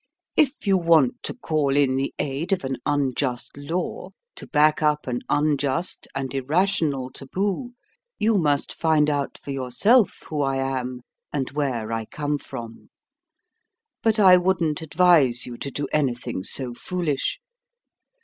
If you want to call in the aid of an unjust law to back up an unjust and irrational taboo, you must find out for yourself who I am, and where I come from. But I wouldn't advise you to do anything so foolish.